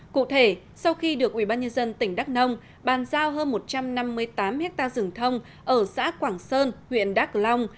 cụ thể sau khi được ubnd tỉnh đắk nông bàn giao hơn một trăm năm mươi tám hectare rừng thông ở xã quảng sơn huyện đắk long